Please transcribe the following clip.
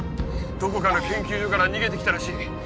どこかの研究所から逃げて来たらしい。